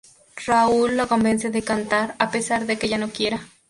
Raoul la convence de cantar, a pesar de que ella no quiera.